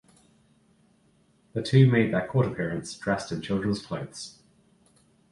The two made their court appearance dressed in children's clothes.